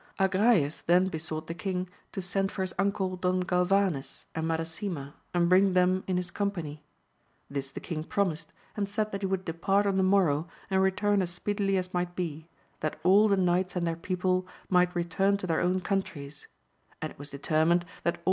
Agrayes then besought the king to send for his uncle Don Gal vanes and Madasima, and bring them in his company ; this the king promised, and said that he would depart on the morrow and return as speedily as might be, that all the knights and their people might return to their own countries ; and it was determined that all AMADIS OF GAUL.